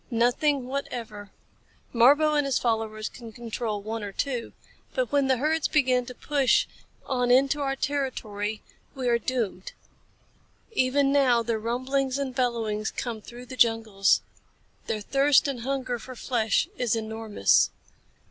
"Nothing whatever. Marbo and his followers can control one or two, but when the herds begin to push on into our territory, we are doomed. Even now their rumblings and bellowings come through the jungles. Their thirst and hunger for flesh is enormous."